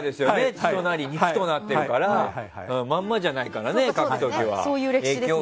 血となり肉となっているからまんまじゃないからね、描く時は。